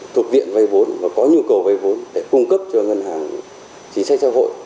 thuộc viện vay vốn và có nhu cầu vay vốn để cung cấp cho ngân hàng chính sách xã hội